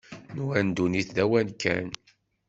Nwan ddunit d awal kan.